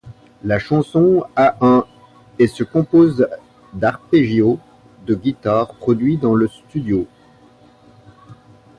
La chanson a un et se compose d'arpeggios de guitare produit dans le studio.